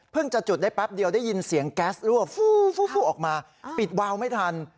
เพิ่งจะจุดได้แปบเดียวได้ยินเสียงแก๊สลวบออกมาปิดไม่ทัน